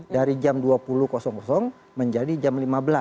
dari jam dua puluh menjadi jam lima belas